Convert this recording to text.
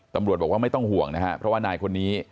ตำรวจบอกว่าไม่ต้องห่วงนะครับเพราะว่านายคนนี้